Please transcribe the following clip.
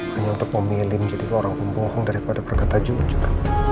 hanya untuk memilih menjadikan orang pembohong daripada berkata jujur